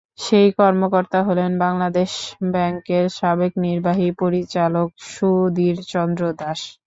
সেই কর্মকর্তা হলেন বাংলাদেশ ব্যাংকের সাবেক নির্বাহী পরিচালক সুধীর চন্দ্র দাস।